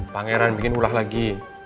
pangeran bikin ulah lagi